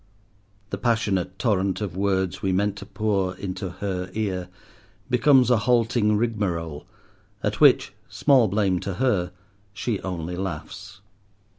The passionate torrent of words we meant to pour into her ear becomes a halting rigmarole, at which—small blame to her—she only laughs.